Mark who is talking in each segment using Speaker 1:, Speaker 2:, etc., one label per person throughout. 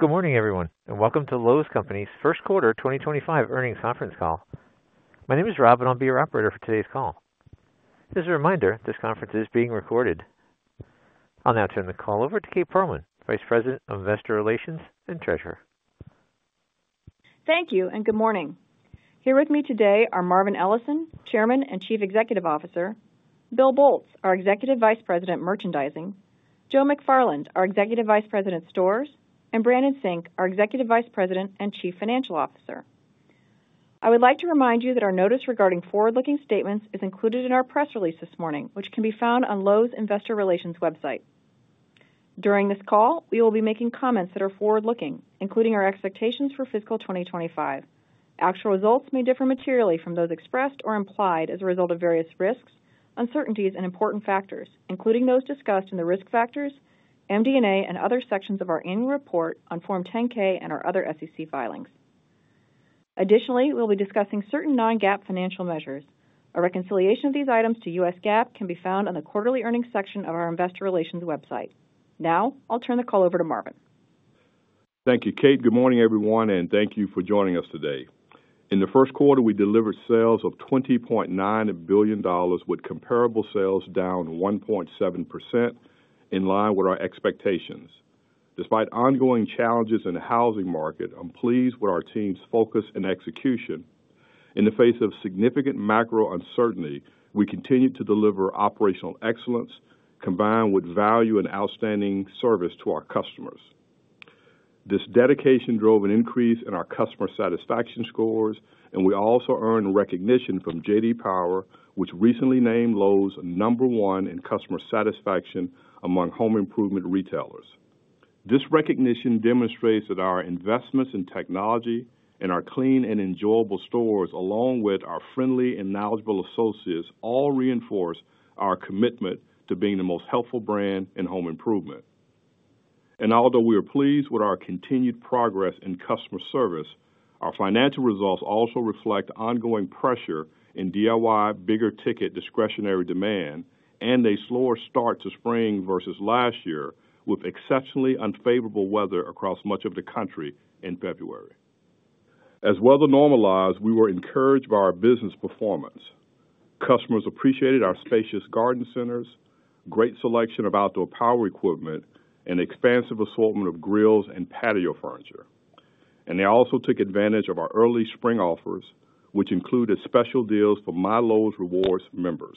Speaker 1: Good morning, everyone, and welcome to Lowe's Company's first quarter 2025 earnings conference call. My name is Rob, and I'll be your operator for today's call. As a reminder, this conference is being recorded. I'll now turn the call over to Kate Pearlman, Vice President of Investor Relations and Treasurer.
Speaker 2: Thank you, and good morning. Here with me today are Marvin Ellison, Chairman and Chief Executive Officer; Bill Boltz, our Executive Vice President, Merchandising; Joe McFarland, our Executive Vice President, Stores; and Brandon Sink, our Executive Vice President and Chief Financial Officer. I would like to remind you that our notice regarding forward-looking statements is included in our press release this morning, which can be found on Lowe's Investor Relations website. During this call, we will be making comments that are forward-looking, including our expectations for fiscal 2025. Actual results may differ materially from those expressed or implied as a result of various risks, uncertainties, and important factors, including those discussed in the risk factors, MD&A, and other sections of our annual report on Form 10-K and our other SEC filings. Additionally, we'll be discussing certain non-GAAP financial measures. A reconciliation of these items to U.S. GAAP can be found on the quarterly earnings section of our Investor Relations website. Now, I'll turn the call over to Marvin.
Speaker 3: Thank you, Kate. Good morning, everyone, and thank you for joining us today. In the first quarter, we delivered sales of $20.9 billion, with comparable sales down 1.7%, in line with our expectations. Despite ongoing challenges in the housing market, I'm pleased with our team's focus and execution. In the face of significant macro uncertainty, we continue to deliver operational excellence, combined with value and outstanding service to our customers. This dedication drove an increase in our customer satisfaction scores, and we also earned recognition from J.D. Power, which recently named Lowe's number one in customer satisfaction among home improvement retailers. This recognition demonstrates that our investments in technology, in our clean and enjoyable stores, along with our friendly and knowledgeable associates, all reinforce our commitment to being the most helpful brand in home improvement. Although we are pleased with our continued progress in customer service, our financial results also reflect ongoing pressure in DIY, bigger-ticket discretionary demand, and a slower start to spring versus last year, with exceptionally unfavorable weather across much of the country in February. As weather normalized, we were encouraged by our business performance. Customers appreciated our spacious garden centers, great selection of outdoor power equipment, and expansive assortment of grills and patio furniture. They also took advantage of our early spring offers, which included special deals for MyLowe's Rewards members.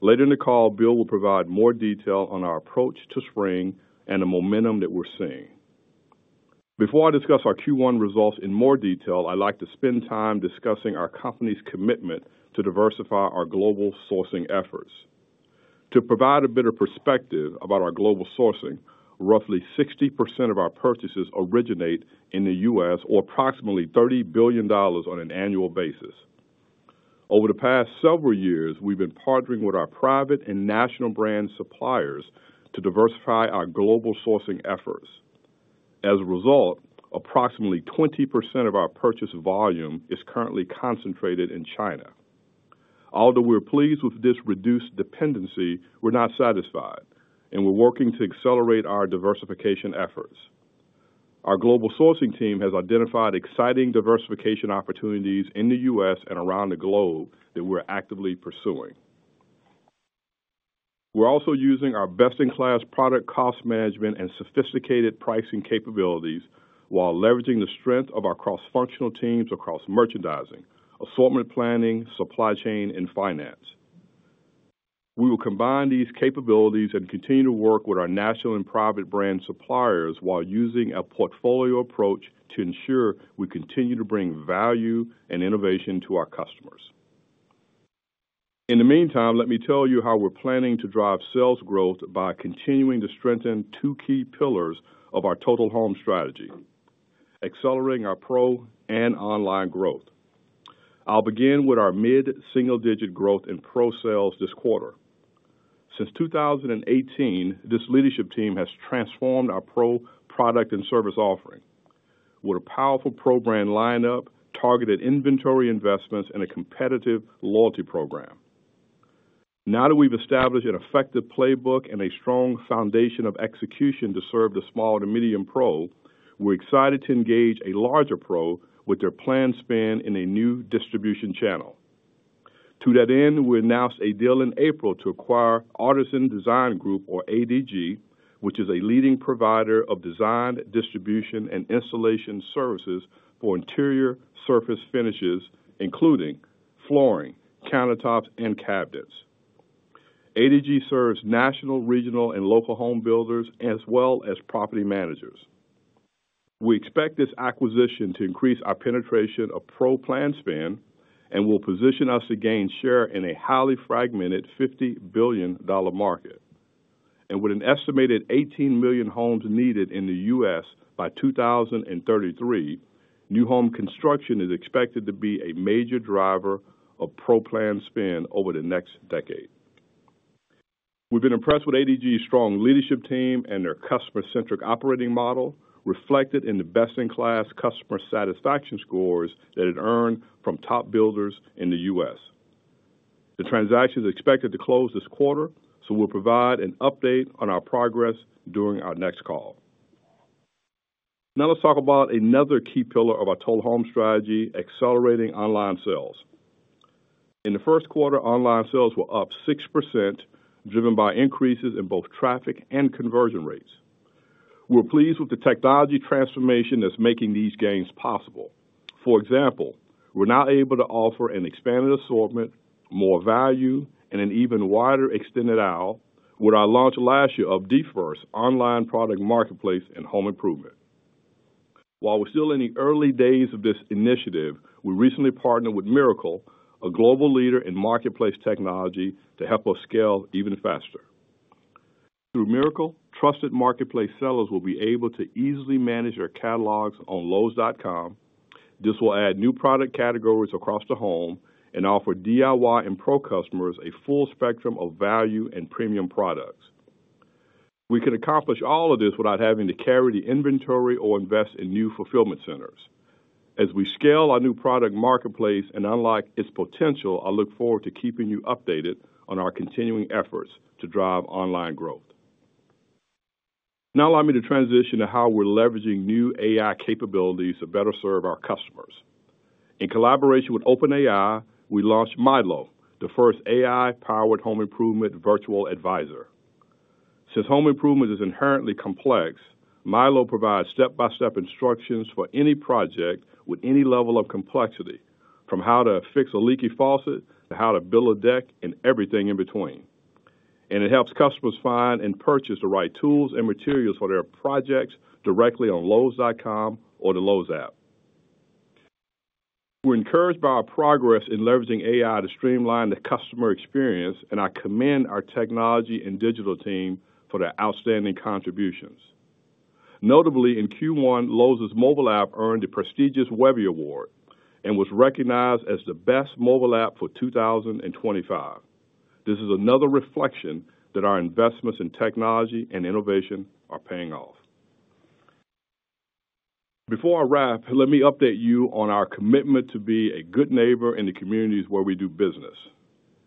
Speaker 3: Later in the call, Bill will provide more detail on our approach to spring and the momentum that we're seeing. Before I discuss our Q1 results in more detail, I'd like to spend time discussing our company's commitment to diversify our global sourcing efforts. To provide a better perspective about our global sourcing, roughly 60% of our purchases originate in the U.S., or approximately $30 billion on an annual basis. Over the past several years, we've been partnering with our private and national brand suppliers to diversify our global sourcing efforts. As a result, approximately 20% of our purchase volume is currently concentrated in China. Although we're pleased with this reduced dependency, we're not satisfied, and we're working to accelerate our diversification efforts. Our global sourcing team has identified exciting diversification opportunities in the U.S. and around the globe that we're actively pursuing. We're also using our best-in-class product cost management and sophisticated pricing capabilities while leveraging the strength of our cross-functional teams across merchandising, assortment planning, supply chain, and finance. We will combine these capabilities and continue to work with our national and private brand suppliers while using a portfolio approach to ensure we continue to bring value and innovation to our customers. In the meantime, let me tell you how we're planning to drive sales growth by continuing to strengthen two key pillars of our total home strategy: accelerating our pro and online growth. I'll begin with our mid-single-digit growth in pro sales this quarter. Since 2018, this leadership team has transformed our pro product and service offering with a powerful pro brand lineup, targeted inventory investments, and a competitive loyalty program. Now that we've established an effective playbook and a strong foundation of execution to serve the small to medium pro, we're excited to engage a larger pro with their planned spin in a new distribution channel. To that end, we announced a deal in April to acquire Artisan Design Group, or ADG, which is a leading provider of design, distribution, and installation services for interior surface finishes, including flooring, countertops, and cabinets. ADG serves national, regional, and local home builders, as well as property managers. We expect this acquisition to increase our penetration of pro plan spin and will position us to gain share in a highly fragmented $50 billion market. With an estimated 18 million homes needed in the U.S. by 2033, new home construction is expected to be a major driver of pro plan spin over the next decade. We've been impressed with ADG's strong leadership team and their customer-centric operating model, reflected in the best-in-class customer satisfaction scores that it earned from top builders in the U.S. The transaction is expected to close this quarter, so we'll provide an update on our progress during our next call. Now, let's talk about another key pillar of our total home strategy: accelerating online sales. In the first quarter, online sales were up 6%, driven by increases in both traffic and conversion rates. We're pleased with the technology transformation that's making these gains possible. For example, we're now able to offer an expanded assortment, more value, and an even wider extended aisle with our launch last year of DeepVerse online product marketplace and home improvement. While we're still in the early days of this initiative, we recently partnered with Mirakl, a global leader in marketplace technology, to help us scale even faster. Through Mirakl, trusted marketplace sellers will be able to easily manage their catalogs on lowes.com. This will add new product categories across the home and offer DIY and pro customers a full spectrum of value and premium products. We can accomplish all of this without having to carry the inventory or invest in new fulfillment centers. As we scale our new product marketplace and unlock its potential, I look forward to keeping you updated on our continuing efforts to drive online growth. Now, allow me to transition to how we're leveraging new AI capabilities to better serve our customers. In collaboration with OpenAI, we launched Mylow, the first AI-powered home improvement virtual advisor. Since home improvement is inherently complex, Mylow provides step-by-step instructions for any project with any level of complexity, from how to fix a leaky faucet to how to build a deck and everything in between. It helps customers find and purchase the right tools and materials for their projects directly on lowes.com or the Lowe's app. We're encouraged by our progress in leveraging AI to streamline the customer experience, and I commend our technology and digital team for their outstanding contributions. Notably, in Q1, Lowe's mobile app earned the prestigious Webby Award and was recognized as the best mobile app for 2025. This is another reflection that our investments in technology and innovation are paying off. Before I wrap, let me update you on our commitment to be a good neighbor in the communities where we do business.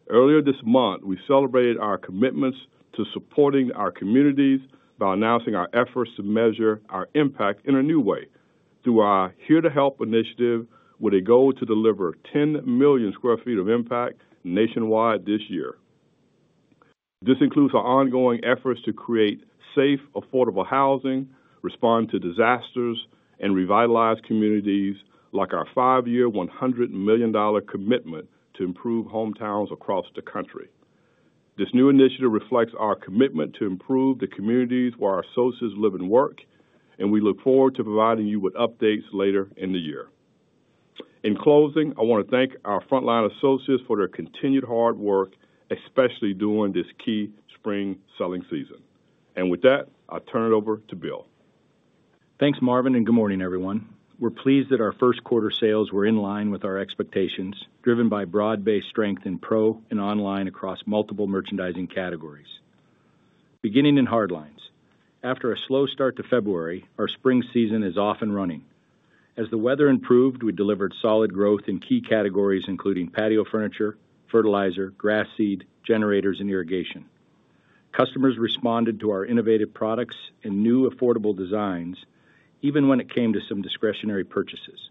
Speaker 3: Earlier this month, we celebrated our commitments to supporting our communities by announcing our efforts to measure our impact in a new way through our Here to Help initiative, with a goal to deliver 10 million sq ft of impact nationwide this year. This includes our ongoing efforts to create safe, affordable housing, respond to disasters, and revitalize communities, like our five-year, $100 million commitment to improve hometowns across the country. This new initiative reflects our commitment to improve the communities where our associates live and work, and we look forward to providing you with updates later in the year. In closing, I want to thank our frontline associates for their continued hard work, especially during this key spring selling season. With that, I'll turn it over to Bill.
Speaker 4: Thanks, Marvin, and good morning, everyone. We're pleased that our first quarter sales were in line with our expectations, driven by broad-based strength in pro and online across multiple merchandising categories. Beginning in hard lines, after a slow start to February, our spring season is off and running. As the weather improved, we delivered solid growth in key categories, including patio furniture, fertilizer, grass seed, generators, and irrigation. Customers responded to our innovative products and new affordable designs, even when it came to some discretionary purchases.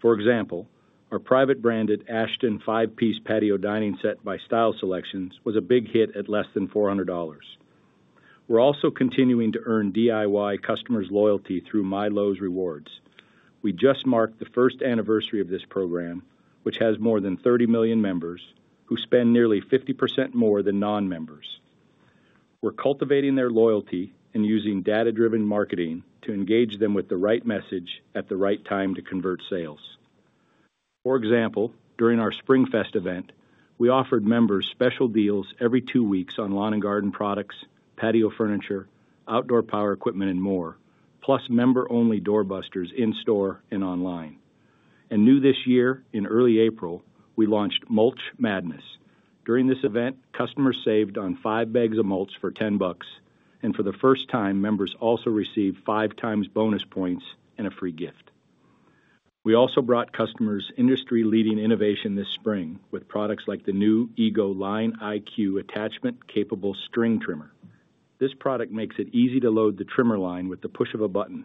Speaker 4: For example, our private-branded Ashton 5-Piece Patio Dining Set by Style Selections was a big hit at less than $400. We're also continuing to earn DIY customers' loyalty through MyLowe's Rewards. We just marked the first anniversary of this program, which has more than 30 million members, who spend nearly 50% more than non-members. We're cultivating their loyalty and using data-driven marketing to engage them with the right message at the right time to convert sales. For example, during our Spring Fest event, we offered members special deals every two weeks on lawn and garden products, patio furniture, outdoor power equipment, and more, plus member-only doorbusters in store and online. New this year, in early April, we launched Mulch Madness. During this event, customers saved on five bags of mulch for $10, and for the first time, members also received five times bonus points and a free gift. We also brought customers industry-leading innovation this spring with products like the new EGO Line IQ attachment-capable string trimmer. This product makes it easy to load the trimmer line with the push of a button,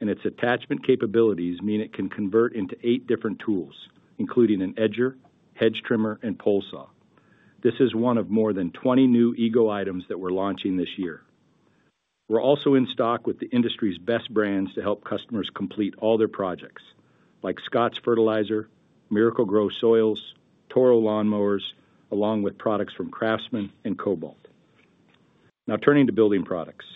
Speaker 4: and its attachment capabilities mean it can convert into eight different tools, including an edger, hedge trimmer, and pole saw. This is one of more than 20 new EGO items that we're launching this year. We're also in stock with the industry's best brands to help customers complete all their projects, like Scotts Fertilizer, Miracle-Gro Soils, Toro Lawn Mowers, along with products from Craftsman and Cobalt. Now, turning to building products,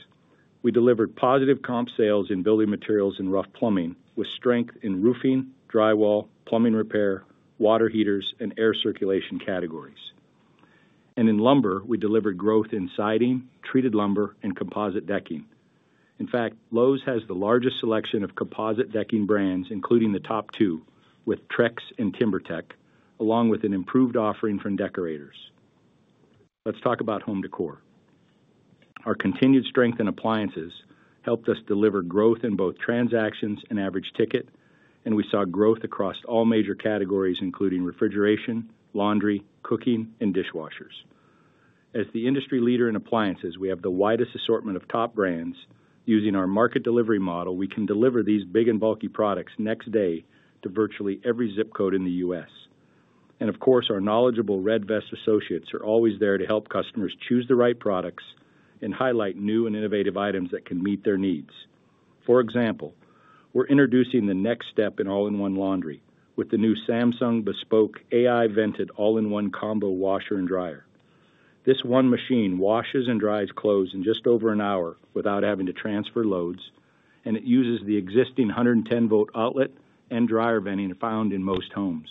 Speaker 4: we delivered positive comp sales in building materials and rough plumbing, with strength in roofing, drywall, plumbing repair, water heaters, and air circulation categories. In lumber, we delivered growth in siding, treated lumber, and composite decking. In fact, Lowe's has the largest selection of composite decking brands, including the top two, with Trex and TimberTech, along with an improved offering from Decorators. Let's talk about home decor. Our continued strength in appliances helped us deliver growth in both transactions and average ticket, and we saw growth across all major categories, including refrigeration, laundry, cooking, and dishwashers. As the industry leader in appliances, we have the widest assortment of top brands. Using our market delivery model, we can deliver these big and bulky products next day to virtually every zip code in the U.S. Of course, our knowledgeable Red Vest associates are always there to help customers choose the right products and highlight new and innovative items that can meet their needs. For example, we're introducing the next step in all-in-one laundry with the new Samsung Bespoke AI-vented All-in-One Combo Washer and Dryer. This one machine washes and dries clothes in just over an hour without having to transfer loads, and it uses the existing 110-volt outlet and dryer venting found in most homes.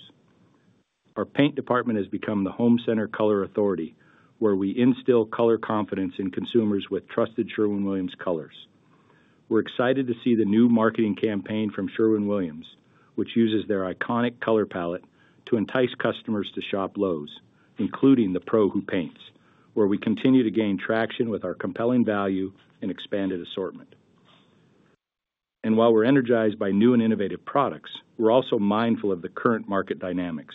Speaker 4: Our paint department has become the home center color authority, where we instill color confidence in consumers with trusted Sherwin-Williams colors. We are excited to see the new marketing campaign from Sherwin-Williams, which uses their iconic color palette to entice customers to shop Lowe's, including the pro who paints, where we continue to gain traction with our compelling value and expanded assortment. While we are energized by new and innovative products, we are also mindful of the current market dynamics.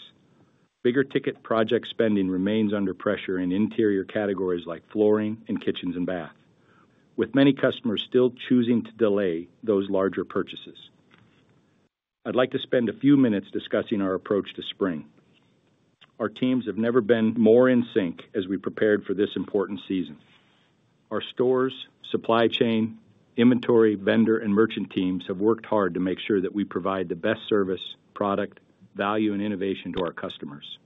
Speaker 4: Bigger ticket project spending remains under pressure in interior categories like flooring and kitchens and bath, with many customers still choosing to delay those larger purchases. I would like to spend a few minutes discussing our approach to spring. Our teams have never been more in sync as we prepared for this important season. Our stores, supply chain, inventory, vendor, and merchant teams have worked hard to make sure that we provide the best service, product, value, and innovation to our customers.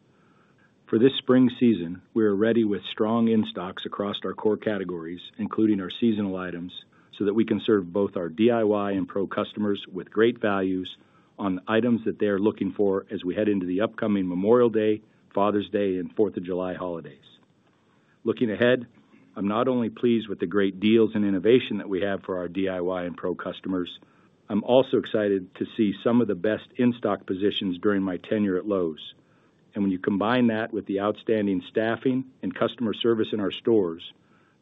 Speaker 4: For this spring season, we are ready with strong in-stocks across our core categories, including our seasonal items, so that we can serve both our DIY and pro customers with great values on items that they are looking for as we head into the upcoming Memorial Day, Father's Day, and 4th of July holidays. Looking ahead, I'm not only pleased with the great deals and innovation that we have for our DIY and pro customers, I'm also excited to see some of the best in-stock positions during my tenure at Lowe's. When you combine that with the outstanding staffing and customer service in our stores,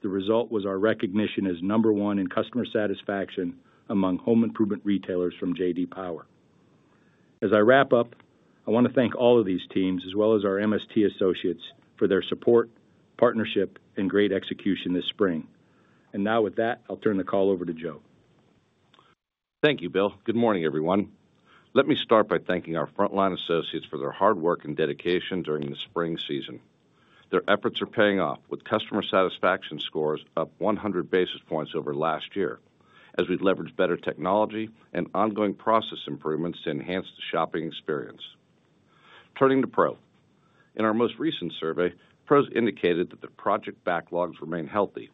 Speaker 4: the result was our recognition as number one in customer satisfaction among home improvement retailers from J.D. Power. As I wrap up, I want to thank all of these teams, as well as our MST associates, for their support, partnership, and great execution this spring. Now, with that, I'll turn the call over to Joe.
Speaker 5: Thank you, Bill. Good morning, everyone. Let me start by thanking our frontline associates for their hard work and dedication during the spring season. Their efforts are paying off, with customer satisfaction scores up 100 basis points over last year, as we've leveraged better technology and ongoing process improvements to enhance the shopping experience. Turning to pro, in our most recent survey, pros indicated that the project backlogs remain healthy,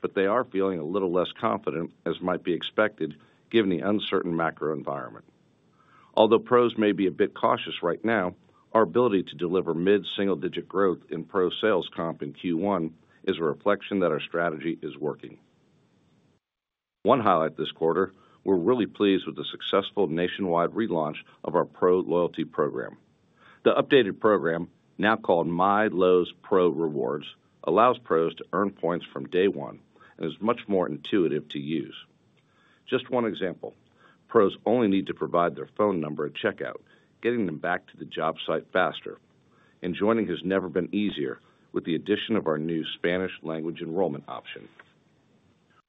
Speaker 5: but they are feeling a little less confident, as might be expected, given the uncertain macro environment. Although pros may be a bit cautious right now, our ability to deliver mid-single-digit growth in pro sales comp in Q1 is a reflection that our strategy is working. One highlight this quarter, we're really pleased with the successful nationwide relaunch of our pro loyalty program. The updated program, now called MyLowe's Pro Rewards, allows pros to earn points from day one and is much more intuitive to use. Just one example, pros only need to provide their phone number at checkout, getting them back to the job site faster. Joining has never been easier with the addition of our new Spanish language enrollment option.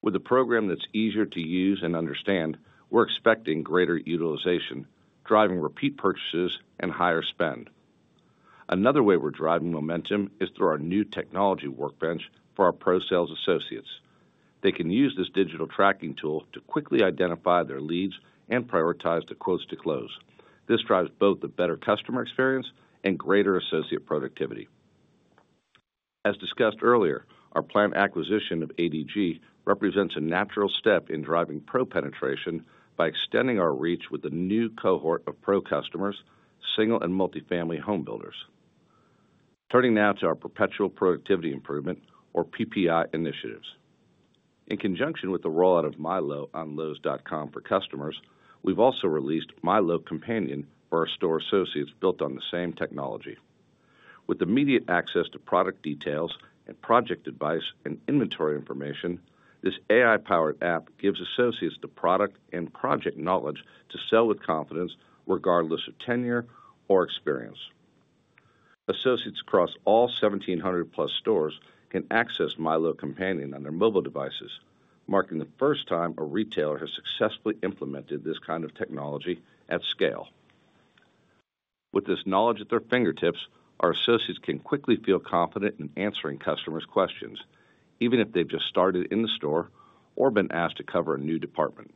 Speaker 5: With a program that's easier to use and understand, we're expecting greater utilization, driving repeat purchases and higher spend. Another way we're driving momentum is through our new technology workbench for our pro sales associates. They can use this digital tracking tool to quickly identify their leads and prioritize the quotes to close. This drives both a better customer experience and greater associate productivity. As discussed earlier, our planned acquisition of ADG represents a natural step in driving pro penetration by extending our reach with a new cohort of pro customers, single and multi-family home builders. Turning now to our perpetual productivity improvement, or PPI initiatives. In conjunction with the rollout of Mylow on lowes.com for customers, we've also released Mylow Companion for our store associates built on the same technology. With immediate access to product details and project advice and inventory information, this AI-powered app gives associates the product and project knowledge to sell with confidence, regardless of tenure or experience. Associates across all 1,700-plus stores can access Mylow Companion on their mobile devices, marking the first time a retailer has successfully implemented this kind of technology at scale. With this knowledge at their fingertips, our associates can quickly feel confident in answering customers' questions, even if they've just started in the store or been asked to cover a new department.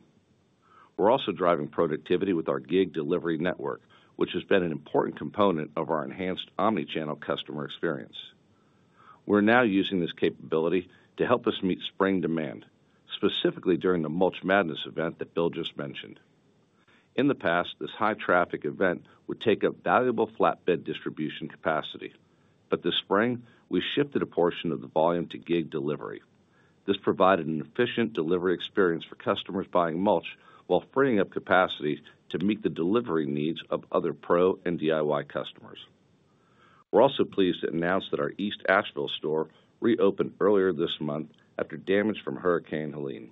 Speaker 5: We're also driving productivity with our gig delivery network, which has been an important component of our enhanced omnichannel customer experience. We're now using this capability to help us meet spring demand, specifically during the Mulch Madness event that Bill just mentioned. In the past, this high-traffic event would take up valuable flatbed distribution capacity. This spring, we shifted a portion of the volume to gig delivery. This provided an efficient delivery experience for customers buying mulch while freeing up capacity to meet the delivery needs of other pro and DIY customers. We're also pleased to announce that our East Asheville store reopened earlier this month after damage from Hurricane Helene.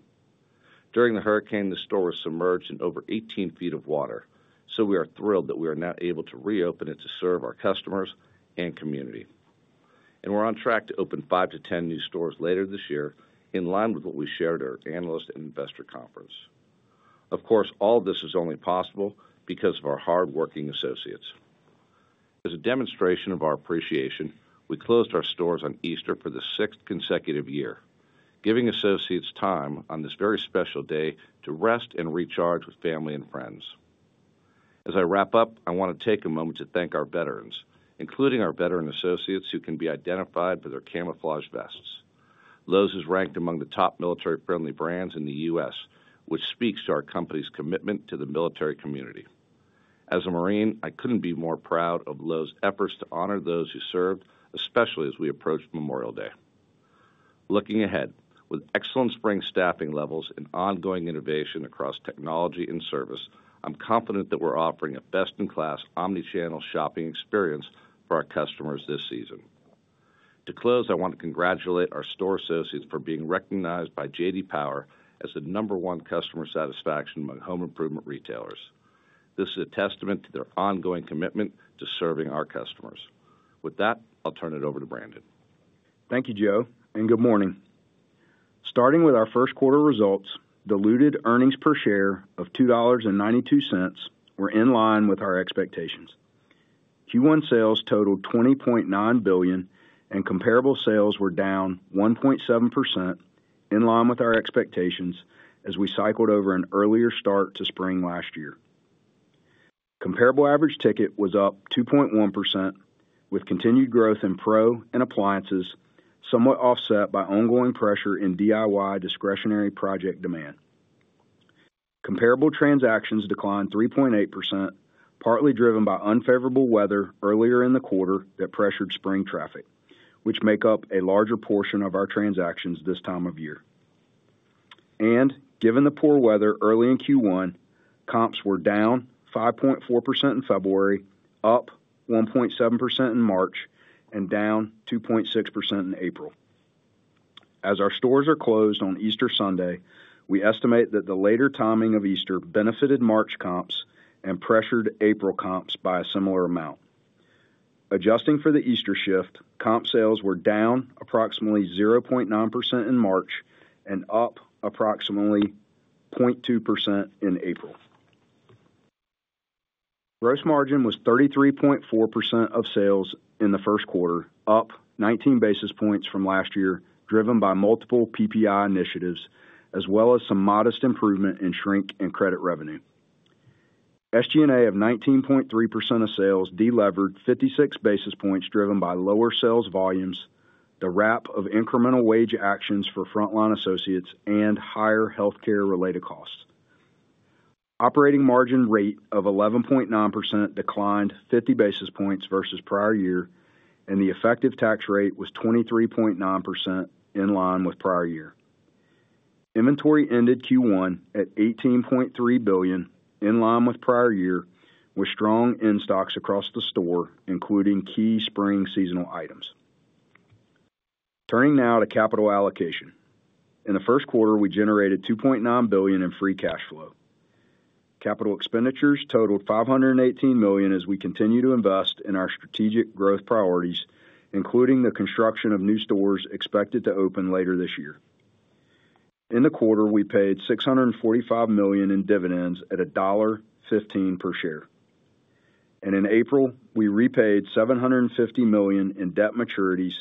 Speaker 5: During the hurricane, the store was submerged in over 18 ft of water, so we are thrilled that we are now able to reopen it to serve our customers and community. We are on track to open 5-10 new stores later this year, in line with what we shared at our analyst and investor conference. Of course, all of this is only possible because of our hardworking associates. As a demonstration of our appreciation, we closed our stores on Easter for the sixth consecutive year, giving associates time on this very special day to rest and recharge with family and friends. As I wrap up, I want to take a moment to thank our veterans, including our veteran associates who can be identified by their camouflage vests. Lowe's is ranked among the top military-friendly brands in the U.S., which speaks to our company's commitment to the military community. As a Marine, I couldn't be more proud of Lowe's efforts to honor those who served, especially as we approach Memorial Day. Looking ahead, with excellent spring staffing levels and ongoing innovation across technology and service, I'm confident that we're offering a best-in-class omnichannel shopping experience for our customers this season. To close, I want to congratulate our store associates for being recognized by J.D. Power as the number one customer satisfaction among home improvement retailers. This is a testament to their ongoing commitment to serving our customers. With that, I'll turn it over to Brandon.
Speaker 6: Thank you, Joe, and good morning. Starting with our first quarter results, diluted earnings per share of $2.92 were in line with our expectations. Q1 sales totaled $20.9 billion, and comparable sales were down 1.7%, in line with our expectations as we cycled over an earlier start to spring last year. Comparable average ticket was up 2.1%, with continued growth in pro and appliances, somewhat offset by ongoing pressure in DIY discretionary project demand. Comparable transactions declined 3.8%, partly driven by unfavorable weather earlier in the quarter that pressured spring traffic, which makes up a larger portion of our transactions this time of year. Given the poor weather early in Q1, comps were down 5.4% in February, up 1.7% in March, and down 2.6% in April. As our stores are closed on Easter Sunday, we estimate that the later timing of Easter benefited March comps and pressured April comps by a similar amount. Adjusting for the Easter shift, comp sales were down approximately 0.9% in March and up approximately 0.2% in April. Gross margin was 33.4% of sales in the first quarter, up 19 basis points from last year, driven by multiple PPI initiatives, as well as some modest improvement in shrink and credit revenue. SG&A of 19.3% of sales delevered 56 basis points, driven by lower sales volumes, the wrap of incremental wage actions for frontline associates, and higher healthcare-related costs. Operating margin rate of 11.9% declined 50 basis points versus prior year, and the effective tax rate was 23.9%, in line with prior year. Inventory ended Q1 at $18.3 billion, in line with prior year, with strong in-stocks across the store, including key spring seasonal items. Turning now to capital allocation. In the first quarter, we generated $2.9 billion in free cash flow. Capital expenditures totaled $518 million as we continue to invest in our strategic growth priorities, including the construction of new stores expected to open later this year. In the quarter, we paid $645 million in dividends at $1.15 per share. In April, we repaid $750 million in debt maturities,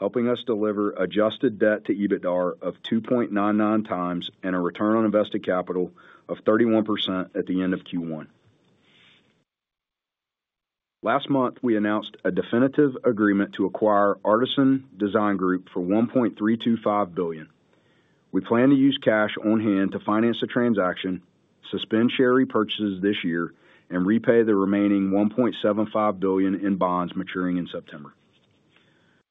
Speaker 6: helping us deliver adjusted debt to EBITDA of 2.99x and a return on invested capital of 31% at the end of Q1. Last month, we announced a definitive agreement to acquire Artisan Design Group for $1.325 billion. We plan to use cash on hand to finance the transaction, suspend share repurchases this year, and repay the remaining $1.75 billion in bonds maturing in September.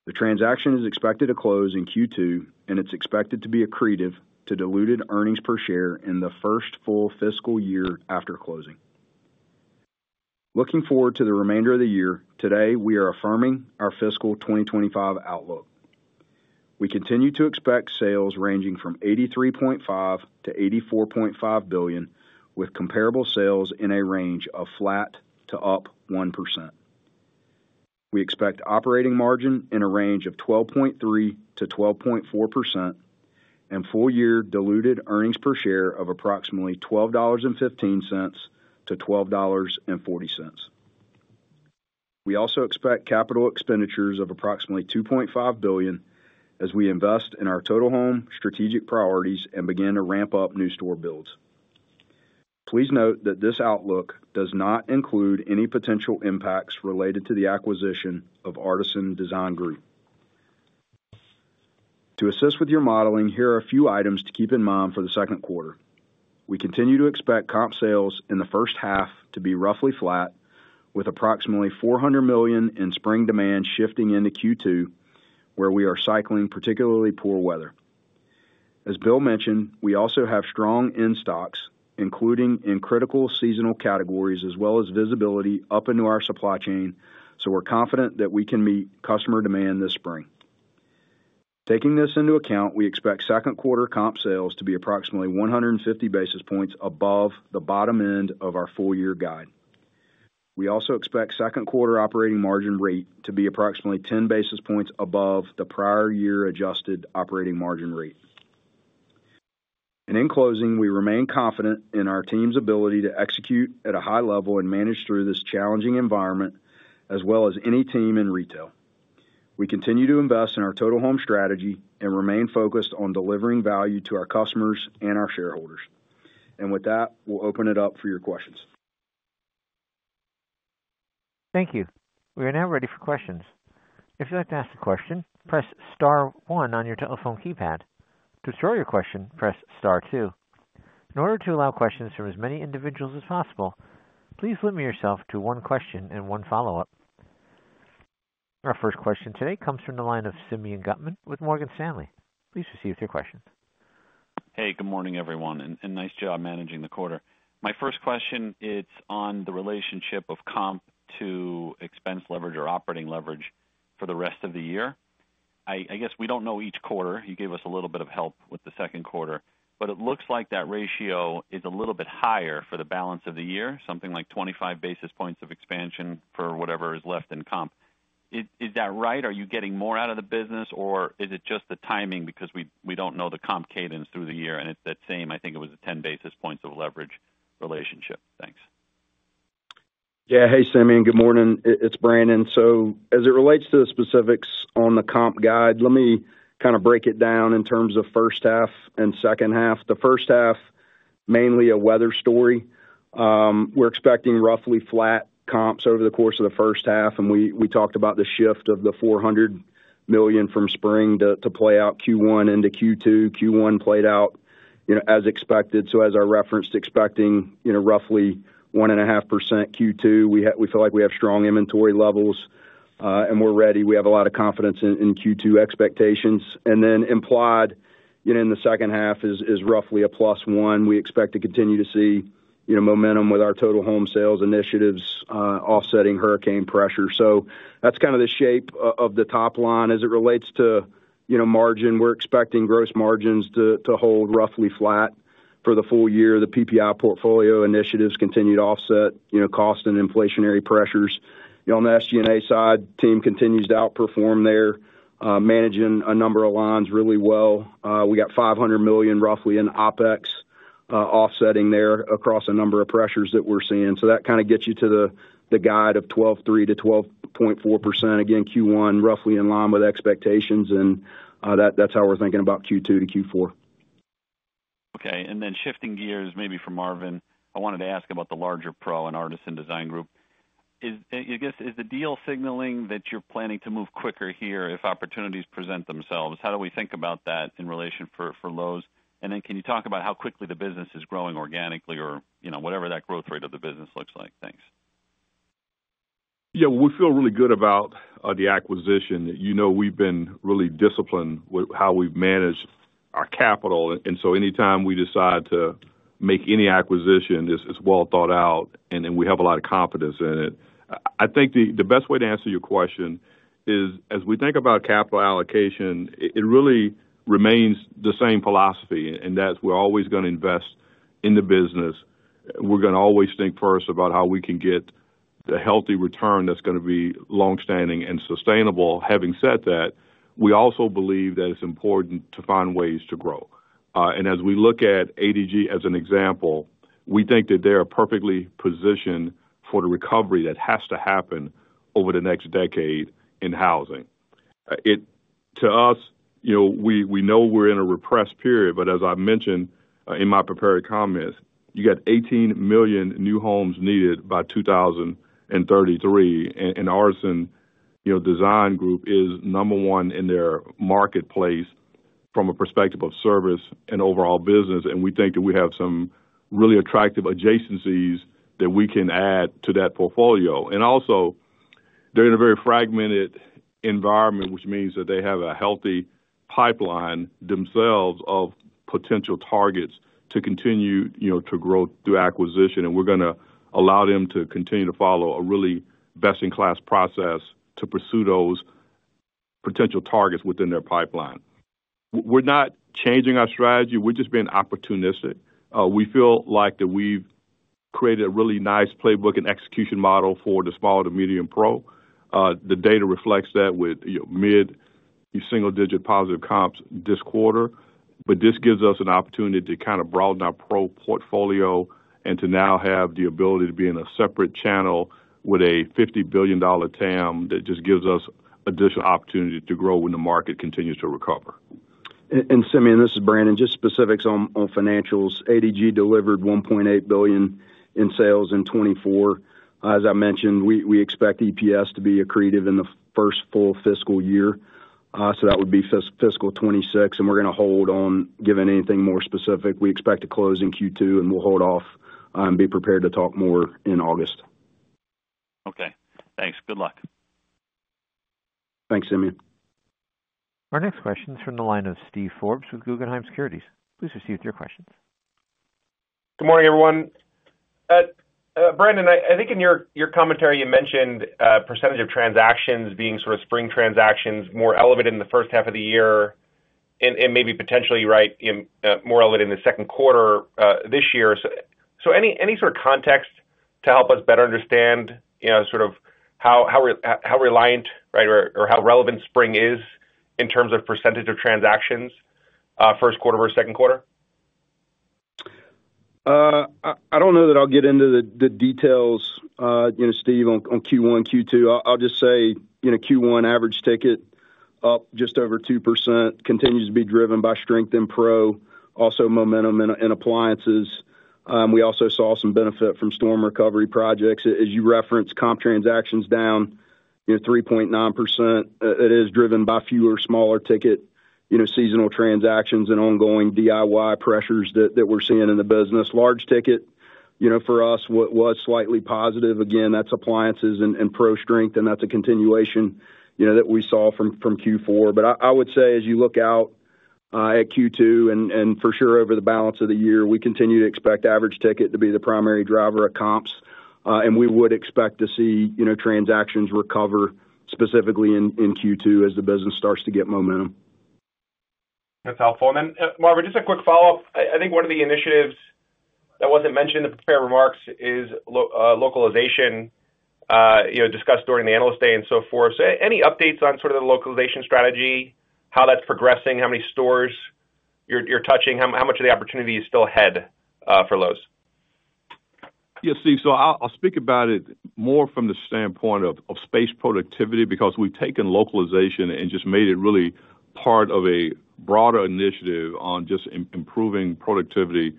Speaker 6: The transaction is expected to close in Q2, and it's expected to be accretive to diluted earnings per share in the first full fiscal year after closing. Looking forward to the remainder of the year, today, we are affirming our fiscal 2025 outlook. We continue to expect sales ranging from $83.5 billion-$84.5 billion, with comparable sales in a range of flat to up 1%. We expect operating margin in a range of 12.3%-12.4%, and full-year diluted earnings per share of approximately $12.15-$12.40. We also expect capital expenditures of approximately $2.5 billion as we invest in our total home strategic priorities and begin to ramp up new store builds. Please note that this outlook does not include any potential impacts related to the acquisition of Artisan Design Group. To assist with your modeling, here are a few items to keep in mind for the second quarter. We continue to expect comp sales in the first half to be roughly flat, with approximately $400 million in spring demand shifting into Q2, where we are cycling particularly poor weather. As Bill mentioned, we also have strong in-stocks, including in critical seasonal categories, as well as visibility up into our supply chain, so we're confident that we can meet customer demand this spring. Taking this into account, we expect second quarter comp sales to be approximately 150 basis points above the bottom end of our full-year guide. We also expect second quarter operating margin rate to be approximately 10 basis points above the prior year adjusted operating margin rate. In closing, we remain confident in our team's ability to execute at a high level and manage through this challenging environment, as well as any team in retail. We continue to invest in our total home strategy and remain focused on delivering value to our customers and our shareholders. With that, we'll open it up for your questions.
Speaker 1: Thank you. We are now ready for questions. If you'd like to ask a question, press star one on your telephone keypad. To withdraw your question, press star two. In order to allow questions from as many individuals as possible, please limit yourself to one question and one follow-up. Our first question today comes from the line of Simeon Gutman with Morgan Stanley. Please proceed with your question.
Speaker 7: Hey, good morning, everyone, and nice job managing the quarter. My first question, it's on the relationship of comp to expense leverage or operating leverage for the rest of the year. I guess we don't know each quarter. You gave us a little bit of help with the second quarter, but it looks like that ratio is a little bit higher for the balance of the year, something like 25 basis points of expansion for whatever is left in comp. Is that right? Are you getting more out of the business, or is it just the timing because we don't know the comp cadence through the year and it's that same? I think it was a 10 basis points of leverage relationship. Thanks.
Speaker 6: Yeah, hey, Simeon, good morning. It's Brandon. As it relates to the specifics on the comp guide, let me kind of break it down in terms of first half and second half. The first half, mainly a weather story. We're expecting roughly flat comps over the course of the first half, and we talked about the shift of the $400 million from spring to play out Q1 into Q2. Q1 played out as expected. As our reference to expecting roughly 1.5% Q2, we feel like we have strong inventory levels and we're ready. We have a lot of confidence in Q2 expectations. Implied in the second half is roughly a plus one. We expect to continue to see momentum with our total home sales initiatives offsetting hurricane pressure. That's kind of the shape of the top line. As it relates to margin, we're expecting gross margins to hold roughly flat for the full year. The PPI portfolio initiatives continue to offset cost and inflationary pressures. On the SG&A side, the team continues to outperform there, managing a number of lines really well. We got $500 million roughly in OpEx offsetting there across a number of pressures that we're seeing. So that kind of gets you to the guide of 12.3%-12.4%. Again, Q1, roughly in line with expectations, and that's how we're thinking about Q2 to Q4.
Speaker 7: Okay. Then shifting gears maybe for Marvin, I wanted to ask about the larger pro and Artisan Design Group. I guess, is the deal signaling that you're planning to move quicker here if opportunities present themselves? How do we think about that in relation for Lowe's? Then can you talk about how quickly the business is growing organically or whatever that growth rate of the business looks like? Thanks.
Speaker 3: Yeah, we feel really good about the acquisition. We've been really disciplined with how we've managed our capital. Anytime we decide to make any acquisition, it's well thought out, and we have a lot of confidence in it. I think the best way to answer your question is, as we think about capital allocation, it really remains the same philosophy, and that's we're always going to invest in the business. We're going to always think first about how we can get the healthy return that's going to be longstanding and sustainable. Having said that, we also believe that it's important to find ways to grow. As we look at ADG as an example, we think that they are perfectly positioned for the recovery that has to happen over the next decade in housing. To us, we know we're in a repressed period, but as I mentioned in my prepared comments, you got 18 million new homes needed by 2033, and Artisan Design Group is number one in their marketplace from a perspective of service and overall business. We think that we have some really attractive adjacencies that we can add to that portfolio. Also, they're in a very fragmented environment, which means that they have a healthy pipeline themselves of potential targets to continue to grow through acquisition. We're going to allow them to continue to follow a really best-in-class process to pursue those potential targets within their pipeline. We're not changing our strategy. We're just being opportunistic. We feel like that we've created a really nice playbook and execution model for the small to medium pro. The data reflects that with mid-single-digit positive comps this quarter, but this gives us an opportunity to kind of broaden our pro portfolio and to now have the ability to be in a separate channel with a $50 billion TAM that just gives us additional opportunity to grow when the market continues to recover.
Speaker 6: Simeon, this is Brandon. Just specifics on financials. ADG delivered $1.8 billion in sales in 2024. As I mentioned, we expect EPS to be accretive in the first full fiscal year. That would be fiscal 2026, and we're going to hold on given anything more specific. We expect to close in Q2, and we'll hold off and be prepared to talk more in August.
Speaker 7: Okay. Thanks. Good luck.
Speaker 6: Thanks, Simeon.
Speaker 1: Our next question is from the line of Steve Forbes with Guggenheim Securities. Please proceed with your questions.
Speaker 8: Good morning, everyone. Brandon, I think in your commentary, you mentioned percentage of transactions being sort of spring transactions more elevated in the first half of the year and maybe potentially, right, more elevated in the second quarter this year. Any sort of context to help us better understand sort of how reliant or how relevant spring is in terms of percentage of transactions first quarter versus second quarter?
Speaker 6: I don't know that I'll get into the details, Steve, on Q1, Q2. I'll just say Q1 average ticket up just over 2%, continues to be driven by strength in pro, also momentum in appliances. We also saw some benefit from storm recovery projects. As you referenced, comp transactions down 3.9%. It is driven by fewer smaller ticket seasonal transactions and ongoing DIY pressures that we're seeing in the business. Large ticket for us was slightly positive. Again, that's appliances and pro strength, and that's a continuation that we saw from Q4. I would say, as you look out at Q2 and for sure over the balance of the year, we continue to expect average ticket to be the primary driver of comps, and we would expect to see transactions recover specifically in Q2 as the business starts to get momentum.
Speaker 8: That's helpful. Marvin, just a quick follow-up. I think one of the initiatives that was not mentioned in the prepared remarks is localization discussed during the analyst day and so forth. Any updates on sort of the localization strategy, how that is progressing, how many stores you are touching, how much of the opportunity is still ahead for Lowe's?
Speaker 3: Yeah, Steve, so I'll speak about it more from the standpoint of space productivity because we've taken localization and just made it really part of a broader initiative on just improving productivity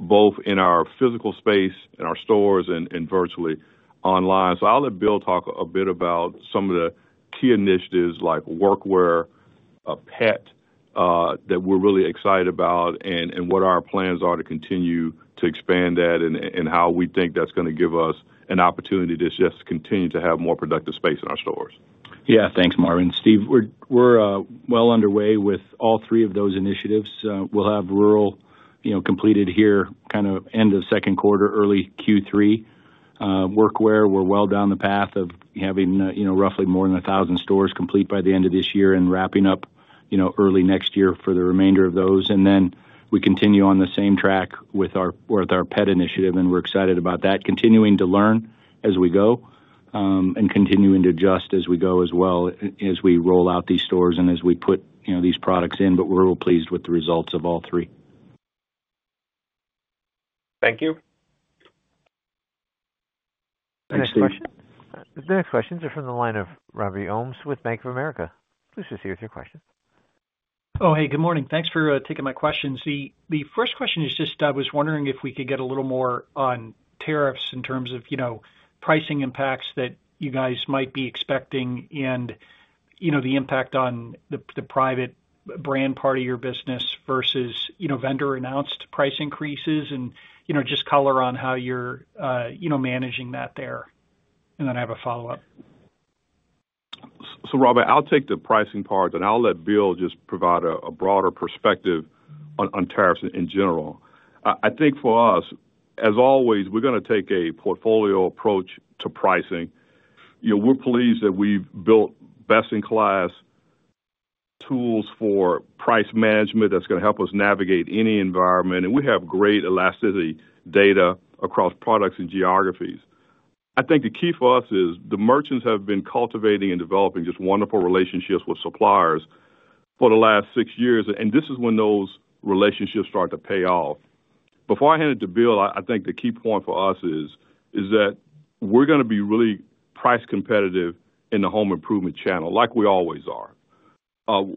Speaker 3: both in our physical space and our stores and virtually online. I'll let Bill talk a bit about some of the key initiatives like Workwear, PET, that we're really excited about and what our plans are to continue to expand that and how we think that's going to give us an opportunity to just continue to have more productive space in our stores.
Speaker 4: Yeah, thanks, Marvin. Steve, we're well underway with all three of those initiatives. We'll have rural completed here kind of end of second quarter, early Q3. Workwear, we're well down the path of having roughly more than 1,000 stores complete by the end of this year and wrapping up early next year for the remainder of those. We continue on the same track with our PET initiative, and we're excited about that, continuing to learn as we go and continuing to adjust as we go as well as we roll out these stores and as we put these products in, but we're real pleased with the results of all three.
Speaker 8: Thank you.
Speaker 1: The next questions are from the line of Robby Ohmes with Bank of America. Please proceed with your question.
Speaker 9: Oh, hey, good morning. Thanks for taking my questions. The first question is just I was wondering if we could get a little more on tariffs in terms of pricing impacts that you guys might be expecting and the impact on the private brand part of your business versus vendor-announced price increases and just color on how you're managing that there. I have a follow-up.
Speaker 3: Robert, I'll take the pricing part, and I'll let Bill just provide a broader perspective on tariffs in general. I think for us, as always, we're going to take a portfolio approach to pricing. We're pleased that we've built best-in-class tools for price management that's going to help us navigate any environment, and we have great elasticity data across products and geographies. I think the key for us is the merchants have been cultivating and developing just wonderful relationships with suppliers for the last six years, and this is when those relationships start to pay off. Before I hand it to Bill, I think the key point for us is that we're going to be really price competitive in the home improvement channel like we always are.